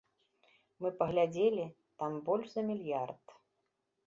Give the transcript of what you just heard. Мы паглядзелі, там больш за мільярд.